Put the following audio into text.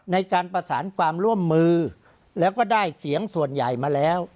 ในการประสานความร่วมมือแล้วก็ได้เสียงส่วนใหญ่มาแล้ว